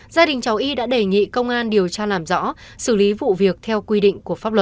gia đình cháu y đã đề nghị công an điều tra làm rõ xử lý vụ việc theo quyền